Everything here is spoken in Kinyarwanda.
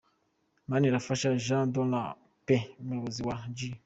Manirafasha Jean de la Paix umuyobozi wa G.